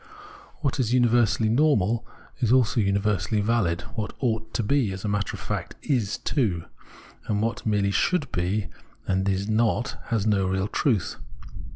What is universally normal is also univer sally valid : what ought to be, as a matter of fact is too ; and what merely should be, and is not, has no real truth.